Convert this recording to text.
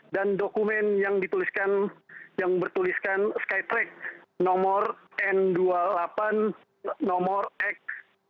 dan dokumen yang bertuliskan skytrack nomor n dua puluh delapan nomor x empat ribu dua ratus satu